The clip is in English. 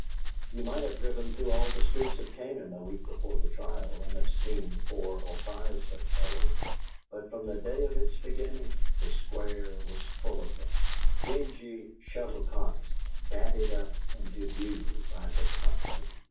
You might have driven through all the streets of Canaan, a week before the trial, and have seen four or five such fellows; but from the day of its beginning the Square was full of them, dingy shuttlecocks batted up into view by the Tocsin.